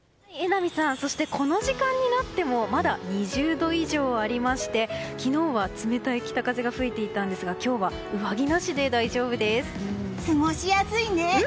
この時間になってもまだ２０度以上ありまして昨日は冷たい北風が吹いていたんですが過ごしやすいね！